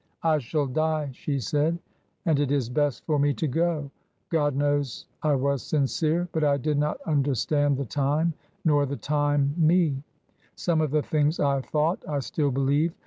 " I shall die," she said, " and it is best for me to go. God knows I was sincere ; but I did not understand the Time nor the Time me. Some of the things I thought I still believe.